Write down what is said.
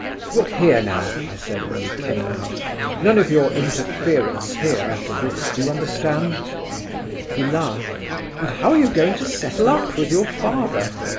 "'Look here now,' I said, when we came out, 'none of your interference here after this—do you understand?' He laughed: 'And how are you going to settle up with your father?